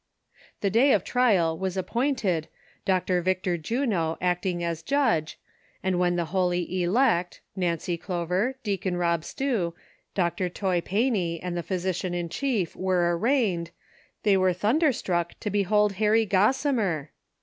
The day of trial was appointed. Dr. Victor Juno acting as j udge, and when the holy elect, Nancy Clover, Deacon Rob Stew, Dr. Toy Pancy and the physician in chief were arraigned they were thunderstruck to behold Harry Gossi mer